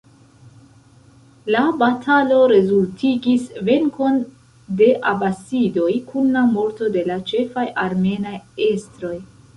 La batalo rezultigis venkon de abasidoj, kun la morto de la ĉefaj armenaj estroj.